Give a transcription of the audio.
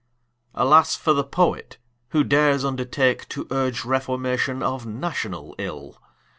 Alas for the Poet, who dares undertake To urge reformation of national ill!